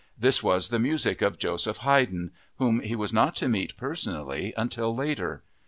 This was the music of Joseph Haydn, whom he was not to meet personally until later.